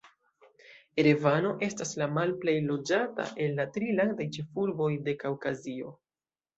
Erevano estas la malplej loĝata el la tri landaj ĉefurboj de Kaŭkazio.